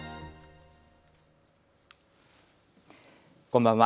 こんばんは。